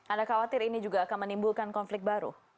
anda khawatir ini juga akan menimbulkan konflik baru